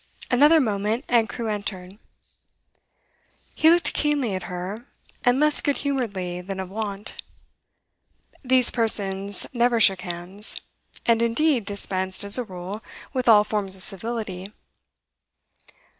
Another moment, and Crewe entered. He looked keenly at her, and less good humouredly than of wont. These persons never shook hands, and indeed dispensed, as a rule, with all forms of civility.